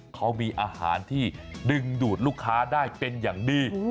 เขามีอาหารที่ดึงดูดลูกค้าได้เป็นอย่างดี